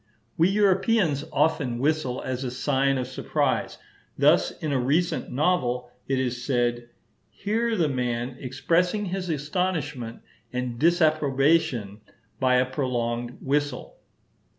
We Europeans often whistle as a sign of surprise; thus, in a recent novel it is said, "here the man expressed his astonishment and disapprobation by a prolonged whistle."